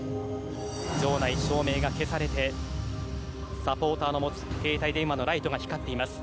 場内、照明が消されてサポーターの持つ携帯電話のライトが光っています。